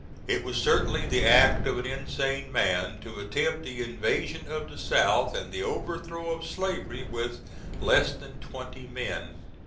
It was certainly the act of an insane man to attempt the invasion of the South, and the overthrow of slavery, with less than twenty men.